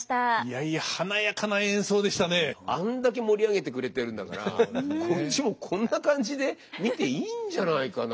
あんだけ盛り上げてくれてるんだからこっちもこんな感じで見ていいんじゃないかなって。